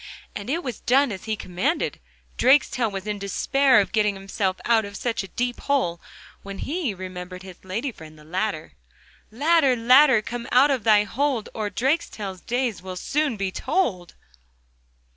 And it was done as he commanded. Drakestail was in despair of getting himself out of such a deep hole, when he remembered his lady friend, the Ladder. 'Ladder, Ladder, come out of thy hold, Or Drakestail's days will soon be told.